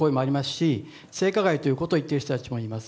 し性加害ということを言っている人もいます。